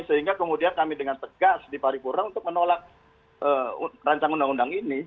sehingga kemudian kami dengan tegas di paripurna untuk menolak rancang undang undang ini